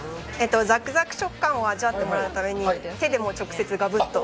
ザクザク食感を味わってもらうために手で直接、ガブッと。